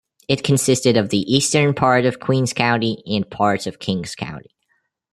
It consisted of the eastern part of Queen's County and parts of King's County.